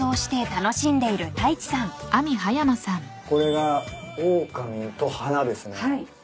はい。